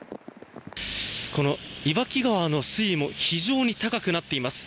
この岩木川の水位も非常に高くなっています。